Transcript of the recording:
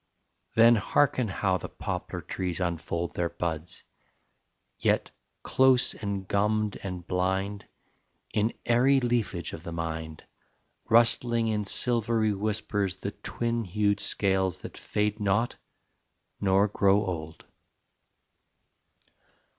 Then hearken how the poplar trees unfold Their buds, yet close and gummed and blind, In airy leafage of the mind, Rustling in silvery whispers the twin hued scales That fade not nor grow old.